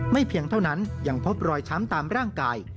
เพียงเท่านั้นยังพบรอยช้ำตามร่างกาย